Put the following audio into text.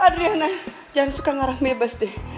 adriana jangan suka ngarah bebas deh